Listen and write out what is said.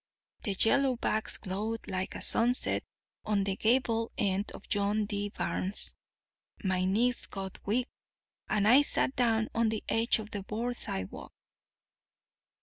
The yellowbacks glowed like a sunset on the gable end of John D.'s barn. My knees got weak, and I sat down on the edge of the board sidewalk.